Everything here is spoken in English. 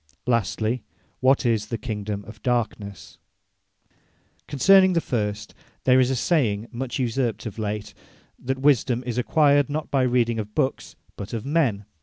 Lastly, what is the Kingdome of Darkness. Concerning the first, there is a saying much usurped of late, That Wisedome is acquired, not by reading of Books, but of Men.